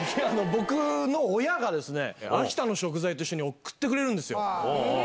僕の親が、秋田の食材と一緒に送ってくれるんですよ。